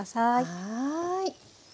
はい。